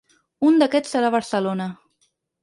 Un d’aquests serà a Barcelona.